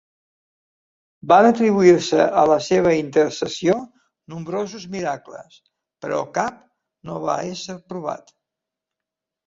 Van atribuir-se a la seva intercessió nombrosos miracles, però cap no va ésser provat.